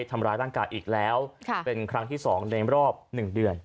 ทำร้ายด้านกายอีกแล้วค่ะเป็นครั้งที่สองในรอบหนึ่งเดือน